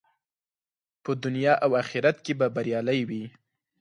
په دنیا او آخرت کې به بریالی وي.